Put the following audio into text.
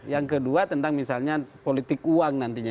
yang kedua tentang misalnya politik uang nantinya